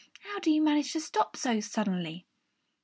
How do you manage to stop so suddenly?"